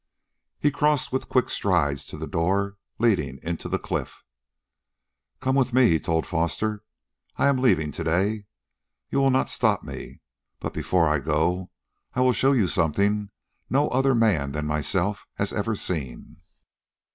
He crossed with quick strides to the door leading into the cliff. "Come with me," he told Foster. "I am leaving to day. You will not stop me. But before I go I will show you something no other man than myself has ever seen."